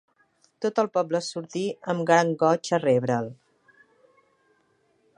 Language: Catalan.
Tot el poble sortí amb gran goig a rebre'l.